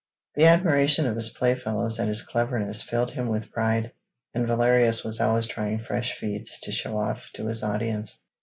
The admiration of his playfellows at his cleverness filled him with pride, and Valerius was always trying fresh feats to show off to his audience.